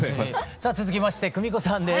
さあ続きましてクミコさんです。